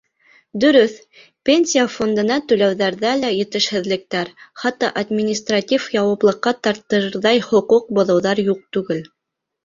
Дөрөҫ, Пенсия фондына түләүҙәрҙә лә етешһеҙлектәр, хатта административ яуаплылыҡҡа тарттырырҙай хоҡуҡ боҙоуҙар юҡ түгел.